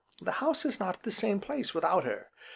The house is not the same place without her.